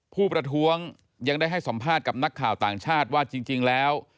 ผู้ประท้วงยังได้ให้สัมภาษณ์กับนักข่าวต่างชาติว่าจริงแล้ว